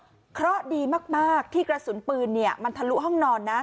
เพราะดีมากที่กระสุนปืนมันทะลุห้องนอนนะ